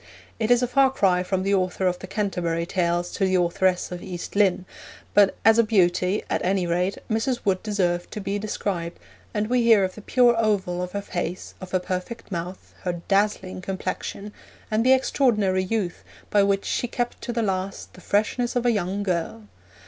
It is a far cry from the author of the Canterbury Tales to the authoress of East Lynne; but as a beauty, at any rate, Mrs. Wood deserved to be described, and we hear of the pure oval of her face, of her perfect mouth, her 'dazzling' complexion, and the extraordinary youth by which 'she kept to the last the ... freshness of a young girl.'